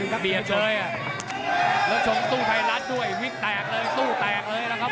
เออเตรียมเดินแล้วครับ